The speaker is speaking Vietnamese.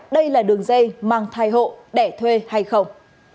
đây là đường dây mang thai hộ đẻ thuê hay không